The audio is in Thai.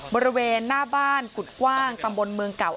บริเวณหน้าบ้านกุฎกว้างตำบลเมืองเก่า